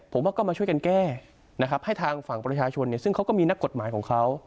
ผมว่าก็มาช่วยกันแก้นะครับให้ทางฝั่งประชาชนเนี่ยซึ่งเขาก็มีนักกฎหมายของเขา